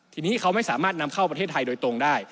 ทีนี้เขาไม่สามารถนำเข้าประเทศไทยโดยตรงได้